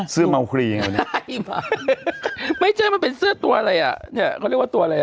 เสื้อเมาคลีอย่างนี้นะครับไม่ใช่มันเป็นเสื้อตัวอะไรอ่ะเขาเรียกว่าตัวอะไรอ่ะ